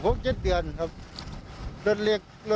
ก็ถึงไม่เห็นแล้ว